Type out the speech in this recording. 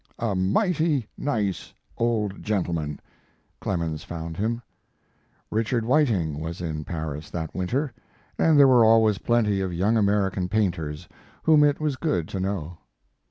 "A mighty nice old gentleman," Clemens found him. Richard Whiteing was in Paris that winter, and there were always plenty of young American painters whom it was good to know.